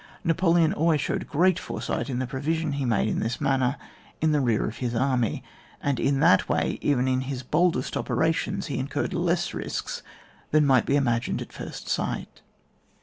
Napoleon always showed great fore sight in the provision he made in this manner in the rear of his army; and in that way, oven in his boldest operations, he incurred less risks than might be 'vax9r gined at first sight.